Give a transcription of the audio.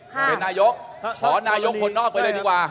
เป็นนายกขอนายกคนนอกไปเลยดีกว่า